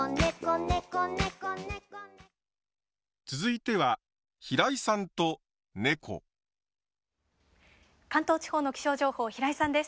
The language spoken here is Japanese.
続いては関東地方の気象情報平井さんです。